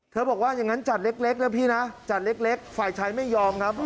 บอกว่าอย่างนั้นจัดเล็กนะพี่นะจัดเล็กฝ่ายชายไม่ยอมครับ